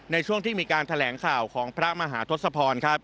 ในช่วงที่มีการแถลงข่าวของพระมหาทศพรครับ